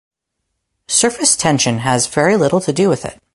Surface tension has very little to do with it.